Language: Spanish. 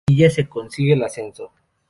En esta liguilla se consigue el ascenso.